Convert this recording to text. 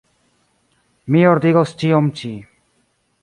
Mi ordigos ĉion ĉi.